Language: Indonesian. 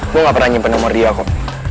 gue gak pernah nyimpen sama raya kok